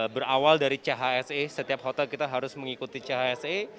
berawal dari chse setiap hotel kita harus mengikuti chse